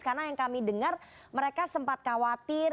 karena yang kami dengar mereka sempat khawatir